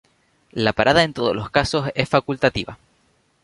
La parada en todos los casos es facultativa.